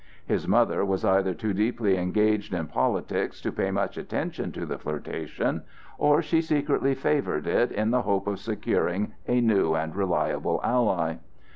His mother was either too deeply engaged in politics to pay much attention to the flirtation, or she secretly favored it in the hope of securing a new and reliable ally.